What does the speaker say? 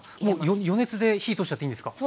予熱で火通しちゃっていいんですか？